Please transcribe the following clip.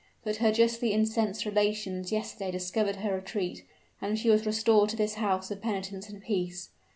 But her justly incensed relations yesterday discovered her retreat; and she was restored to this house of penitence and peace.